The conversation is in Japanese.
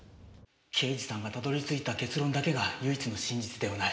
刑事さんがたどり着いた結論だけが唯一の真実ではない。